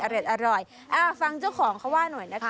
อร่อยอ่าฟังเจ้าของเขาว่าหน่อยนะคะ